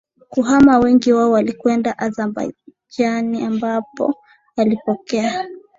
kuhama Wengi wao walikwenda Azabajani ambapo walipokea